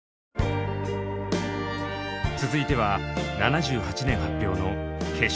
続いては７８年発表の「化粧」。